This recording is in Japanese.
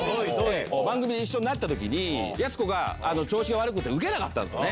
番組で一緒になったときに、やす子が調子が悪くて、ウケなかったんですね。